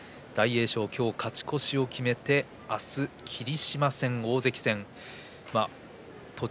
大栄翔は今日勝ち越しを決めて明日は霧島戦、大関戦です。